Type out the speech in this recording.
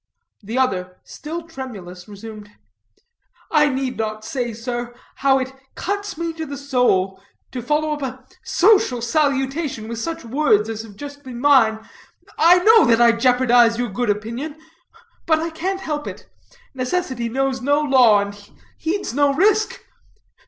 The other, still tremulous, resumed: "I need not say, sir, how it cuts me to the soul, to follow up a social salutation with such words as have just been mine. I know that I jeopardize your good opinion. But I can't help it: necessity knows no law, and heeds no risk.